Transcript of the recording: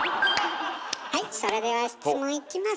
はいそれでは質問いきます。